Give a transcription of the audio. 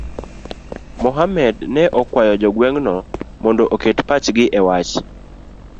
Mohamed ne okwayo jo gweng'no mondo oket pachgi e wach